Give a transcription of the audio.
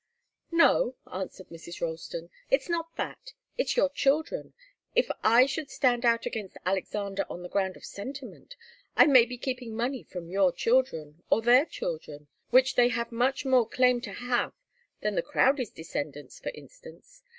"No," answered Mrs. Ralston. "It's not that. It's your children. If I should stand out against Alexander on the ground of sentiment, I may be keeping money from your children, or their children, which they have much more claim to have than the Crowdies' descendants, for instance.